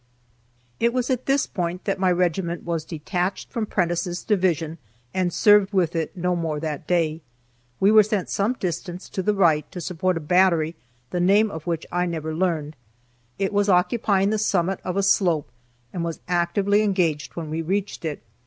It was at this point that my regiment was detached from Prentiss' division and served with it no more that day. We were sent some distance to the right to support a battery, the name of which I never learned. It was occupying the summit of a slope, and was actively engaged when we reached it.